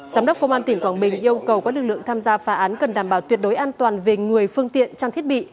giám đốc công an tỉnh quảng bình yêu cầu các lực lượng tham gia phá án cần đảm bảo tuyệt đối an toàn về người phương tiện trang thiết bị